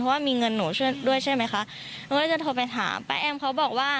เพราะว่ามีเงินหนูช่วยด้วยใช่ไหมคะหนูก็จะโทรไปถามป้าแอมเขาบอกว่า